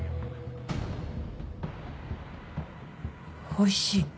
おいしい。